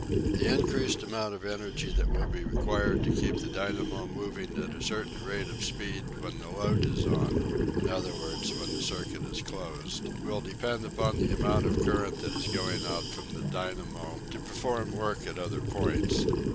The increased amount of energy that will be required to keep the dynamo moving at a certain rate of speed when the load is on in other words, when the circuit is closed will depend upon the amount of current that is going out from the dynamo to perform work at other points.